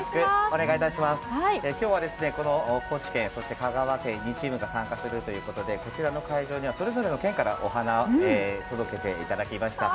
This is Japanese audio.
今日は、高知県、香川県の２チームが参加するということでこちらの会場にはそれぞれ県からお花、届けていただきました。